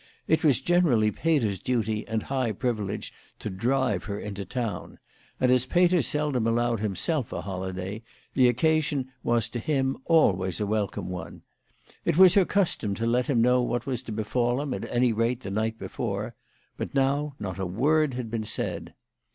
It was generally Peter's duty and high privilege to drive her in to town ; and as Peter seldom allowed himself a holiday, the occasion was to him always a welcome one. It was her custom to let him know what was to befall him at any rate the night before ; but now not a word had been said.